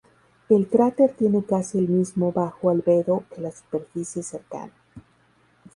El cráter tiene casi el mismo bajo albedo que la superficie cercana.